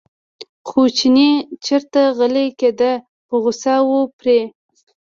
خو چینی چېرته غلی کېده په غوسه و پرې.